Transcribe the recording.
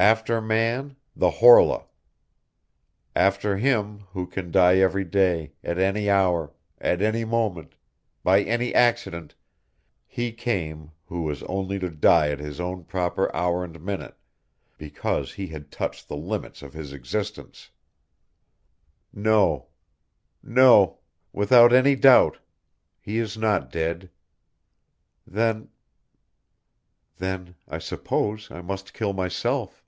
After man the Horla. After him who can die every day, at any hour, at any moment, by any accident, he came who was only to die at his own proper hour and minute, because he had touched the limits of his existence! No ... no ... without any doubt ... he is not dead. Then ... then ... I suppose I must kill myself!